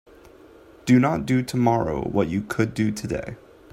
Do not do tomorrow what you could do today.